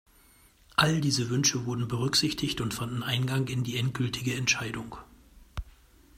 All diese Wünsche wurden berücksichtigt und fanden Eingang in die endgültige Entscheidung.